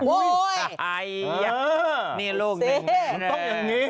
โอ้โอ้ยอาย๊าะนี่ลูกนั้นนะคะป้องแบบนี้